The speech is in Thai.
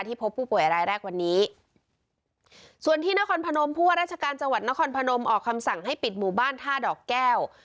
พบผู้ป่วยรายแรกวันนี้ส่วนที่นครพนมผู้ว่าราชการจังหวัดนครพนมออกคำสั่งให้ปิดหมู่บ้านท่าดอกแก้ว